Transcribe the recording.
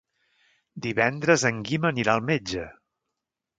Divendres en Guim anirà al metge.